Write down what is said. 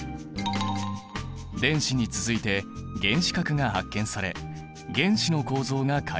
電子に続いて原子核が発見され原子の構造が解明された。